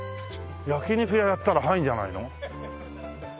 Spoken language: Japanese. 焼き肉屋やったら入るんじゃないの？